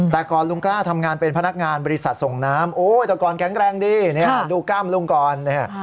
แต่ก่อนลุงกล้าทำงานเป็นพนักงานบริษัทส่งน้ำโอ้ยแต่ก่อนแข็งแรงดีเนี่ยดูกล้ามลุงก่อนเนี่ย